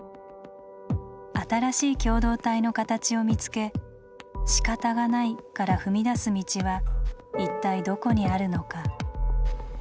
新しい共同体の形を見つけ「仕方がない」から踏み出す道は一体どこにあるのか。